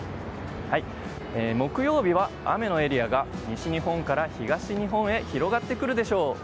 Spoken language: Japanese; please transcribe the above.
木曜日は雨のエリアが西日本から東日本へ広がってくるでしょう。